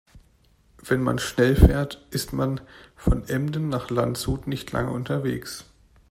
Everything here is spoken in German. Wenn man schnell fährt, ist man von Emden nach Landshut nicht lange unterwegs